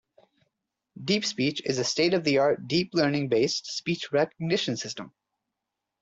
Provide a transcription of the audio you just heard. DeepSpeech is a state-of-the-art deep-learning-based speech recognition system.